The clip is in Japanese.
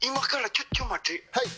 はい。